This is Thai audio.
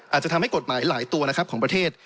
อาจจะทำให้กฎหมายหลายตัวนะครับของประเทศ